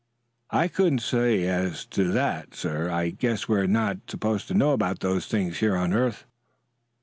"I couldn't say as to that, sir. I guess we are not supposed to know about those things here on earth."